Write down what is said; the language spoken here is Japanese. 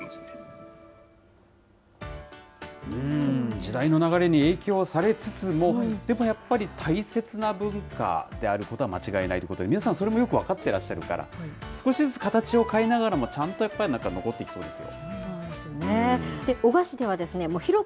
時代の流れに影響されつつも、でもやっぱり、大切な文化であることは間違いないということで、皆さん、それもよく分かってらっしゃるから、少しずつ形を変えながらも、ちゃんとやっぱりなんか残っていきそうですよ。